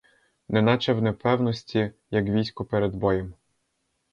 Неначе в непевності, як військо перед боєм.